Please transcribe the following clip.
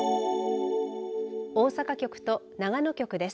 大阪局と長野局です。